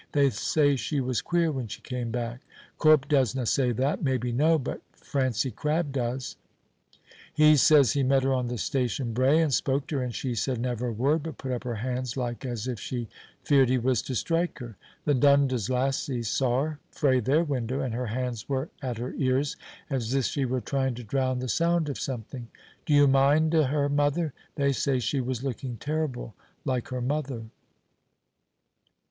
They say she was queer when she came back. Corp doesna say that. Maybe no; but Francie Crabb does. He says he met her on the station brae and spoke to her, and she said never a word, but put up her hands like as if she feared he was to strike her. The Dundas lassies saw her frae their window, and her hands were at her ears as if she was trying to drown the sound o' something. Do you mind o' her mother? They say she was looking terrible like her mother.